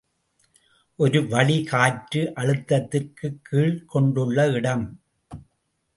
ஒரு வளி காற்று அழுத்தத்திற்குக் கீழ்க் கொண்டுள்ள இடம்.